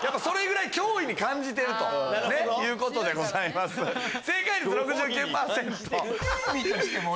それぐらい脅威に感じてるということでございます。